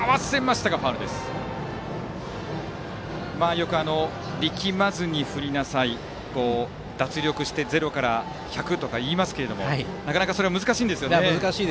よく、力まずに振りなさい脱力してゼロから１００といいますけどなかなかそれは難しいんですよね。